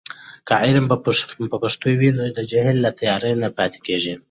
که علم په پښتو وي، نو د جهل تیارې نه پاتې کېږي.